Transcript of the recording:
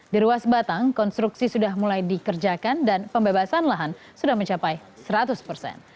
di ruas batang konstruksi sudah mulai dikerjakan dan pembebasan lahan sudah mencapai seratus persen